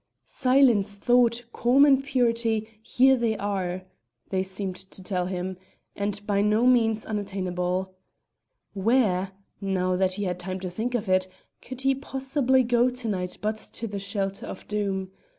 "Silence, thought, calm, and purity, here they are!" they seemed to tell him, and by no means unattainable. Where (now that he had time to think of it) could he possibly go to night but to the shelter of Doom?